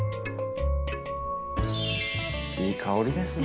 いい香りですね。